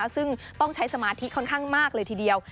ซึ่งต้องใช้สมาธิค่อนข้างมากเลยทีเดียว